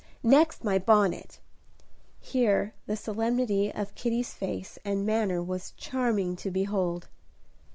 Next, my bonnet," here the solemnity of Kitty's face and manner was charming to behold.